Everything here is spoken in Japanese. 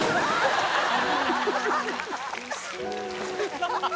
ハハハハ！